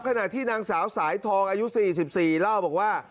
ขณะที่นางสาวสายทองอายุ๔๔เล่าบอกว่า